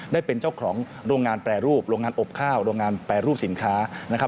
ได้เป็นเจ้าของโรงงานแปรรูปโรงงานอบข้าวโรงงานแปรรูปสินค้านะครับ